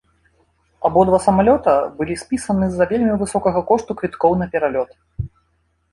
Абодва самалёта былі спісаны з-за вельмі высокага кошту квіткоў на пералёт.